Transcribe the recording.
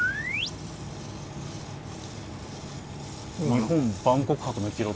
「日本万国博の記録」。